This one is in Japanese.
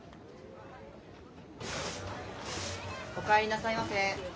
お帰りなさいませ。